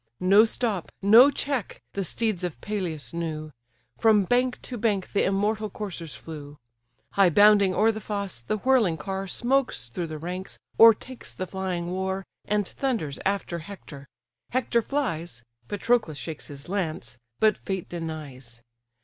No stop, no check, the steeds of Peleus knew: From bank to bank the immortal coursers flew. High bounding o'er the fosse, the whirling car Smokes through the ranks, o'ertakes the flying war, And thunders after Hector; Hector flies, Patroclus shakes his lance; but fate denies.